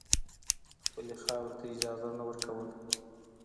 خپلې خاورې ته اجازه نه ورکوله.